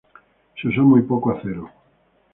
Se usó muy poco acero.